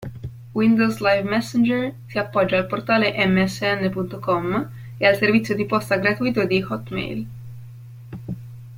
Windows Live Messenger si appoggia al portale MSN.com e al servizio di posta gratuito di Hotmail.